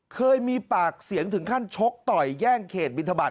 เคยมีปากเสียงถึงขั้นชกต่อยแย่งเขตบินทบาท